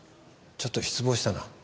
ちょっと失望したな。